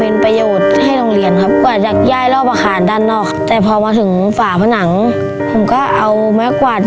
ใน๒ข้อที่เหลือนี้นะครับข้อที่ผมจะเฉลยต่อไปนี้นะครับคือเรื่องเกมประคองลูกโป่งครับ